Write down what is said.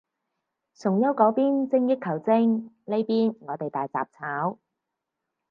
崇優嗰邊精益求精，呢邊我哋大雜炒